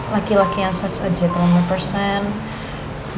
laki laki yang setuju untuk mengakui